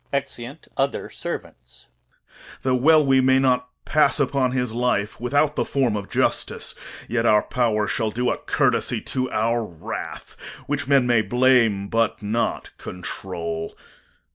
[Exeunt other Servants.] Though well we may not pass upon his life Without the form of justice, yet our power Shall do a court'sy to our wrath, which men May blame, but not control.